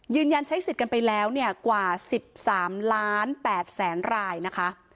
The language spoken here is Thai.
ยืนยันใช้สิทธิ์กันไปแล้วเนี่ยกว่า๑๓ล้าน๘แสนรายนะคะ